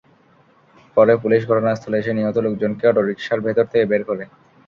পরে পুলিশ ঘটনাস্থলে এসে নিহত লোকজনকে অটোরিকশার ভেতর থেকে বের করে।